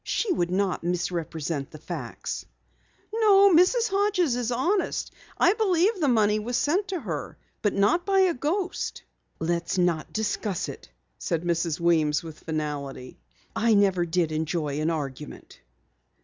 She would not misrepresent the facts." "No, Mrs. Hodges is honest. I believe that the money was sent to her. But not by a ghost!" "Let's not discuss it," said Mrs. Weems with finality. "I never did enjoy an argument."